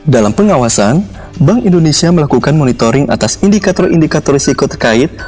dalam pengawasan bank indonesia melakukan monitoring atas indikator indikator risiko terkait